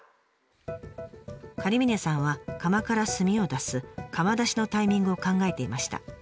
狩峰さんは窯から炭を出す窯出しのタイミングを考えていました。